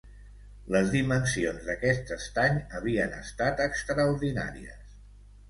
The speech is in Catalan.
Les dimensions d'aquest estany havien estat extraordinàries.